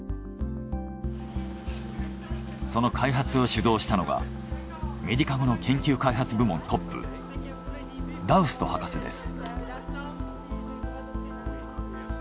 その開発を主導したのがメディカゴの研究開発部門トップダウスト博士です。